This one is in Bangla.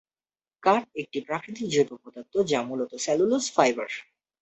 কাঠ একটি প্রাকৃতিক জৈব পদার্থ যা মূলত সেলুলোজ ফাইবার।